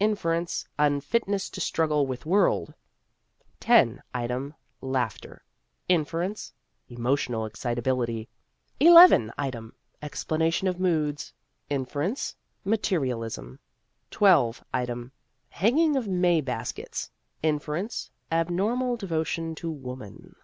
Inference : Unfitness to struggle with world. X. Item : Laughter. Inference : Emotional excitability. XI. Item : Explanation of moods. Inference : Materialism. XII. Item : Hanging of May baskets. Inference : Abnormal devotion to woman.